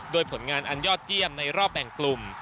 โดยผลงานอันยอดเยี่ยมในรอบแบ่งกลุ่ม